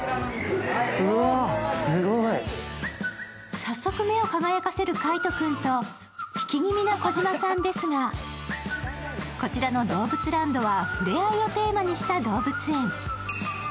早速、目を輝かせる海音君と引きぎみな児嶋さんですが、こちらのどうぶつランドは触れ合いをテーマにした動物園。